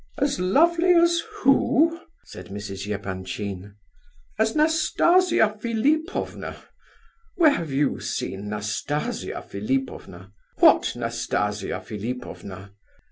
"As lovely as who?" said Mrs. Epanchin. "As Nastasia Philipovna? Where have you seen Nastasia Philipovna? What Nastasia Philipovna?"